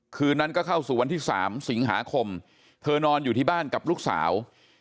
คืนนั้นก็เข้าสู่วันที่๓สิงหาคมเธอนอนอยู่ที่บ้านกับลูกสาว